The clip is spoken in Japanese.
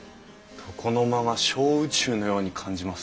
床の間が小宇宙のように感じます。